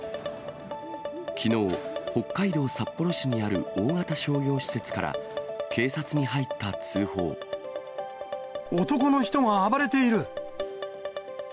きのう、北海道札幌市にある大型商業施設から、男の人が暴れている。